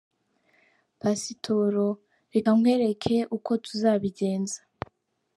Pasitoro : Reka nkwereke uko tuzabigenza.